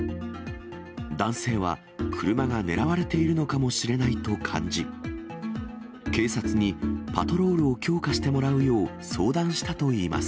男性は車が狙われているのかもしれないと感じ、警察にパトロールを強化してもらうよう相談したといいます。